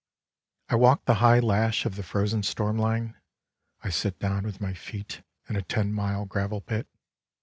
" I walk the high lash of the frozen storm line ; I sit down with my feet in a ten mile gravel pit.